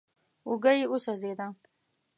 اوږه يې وسوځېده.